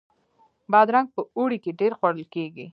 بادرنګ په اوړي کې ډیر خوړل کیږي